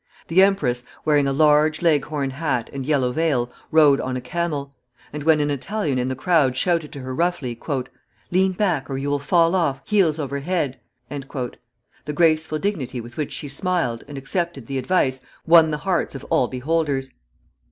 The empress, wearing a large leghorn hat and yellow veil, rode on a camel; and when an Italian in the crowd shouted to her roughly, "Lean back, or you will fall off, heels over head," the graceful dignity with which she smiled, and accepted the advice, won the hearts of all beholders.